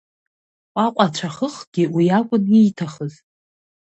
Ҟәаҟәацәахыхгьы уи акәын ииҭахыз.